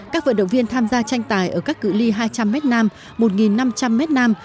các vận động viên tham gia tranh tài ở các cự li hai trăm linh m nam một năm trăm linh m nam